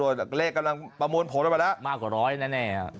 เวลากระเทศกำลังประมวลผลเราหมายแล้วมากกว่าร้อยแน่อ่ะ